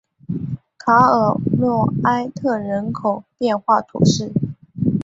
卡尔诺埃特人口变化图示